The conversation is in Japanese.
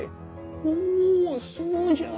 おそうじゃ。